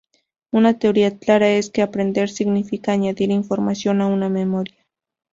Una teoría clara es que aprender significa añadir información a una memoria.